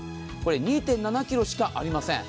２．７ｋｇしかありません。